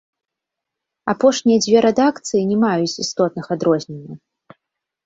Апошнія дзве рэдакцыі не маюць істотных адрозненняў.